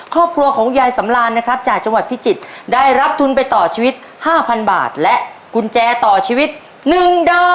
ครอบครัวของยายสำรานนะครับจากจังหวัดพิจิตรได้รับทุนไปต่อชีวิต๕๐๐บาทและกุญแจต่อชีวิต๑ดอก